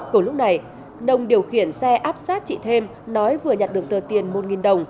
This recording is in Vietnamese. cùng lúc này nông điều khiển xe áp sát chị thêm nói vừa nhặt được tờ tiền một đồng